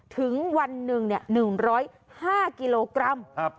ถึงวันหนึ่ง๑๐๕กิโลกรัม